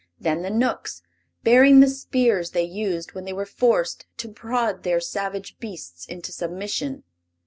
Then the Knooks, bearing the spears they used when they were forced to prod their savage beasts into submission.